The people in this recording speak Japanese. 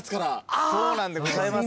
そうなんでございます。